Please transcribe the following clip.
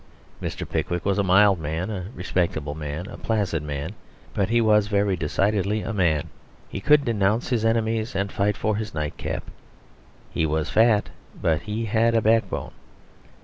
Mr. Pickwick was a mild man, a respectable man, a placid man; but he was very decidedly a man. He could denounce his enemies and fight for his nightcap. He was fat; but he had a backbone.